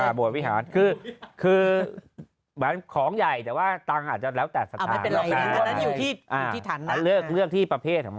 อ่าบวชวิหารคือของใหญ่แต่ว่าตังอาจจะแล้วแต่สถาน